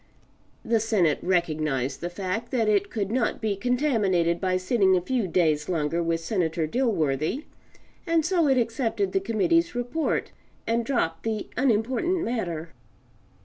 ] The Senate recognized the fact that it could not be contaminated by sitting a few days longer with Senator Dilworthy, and so it accepted the committee's report and dropped the unimportant matter.